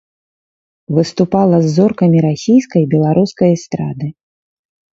Выступала з зоркамі расійскай і беларускай эстрады.